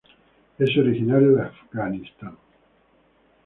Es originario de Afganistán.